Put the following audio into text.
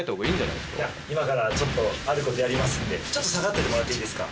いや今からちょっとあることやりますんでちょっと下がっててもらっていいですか？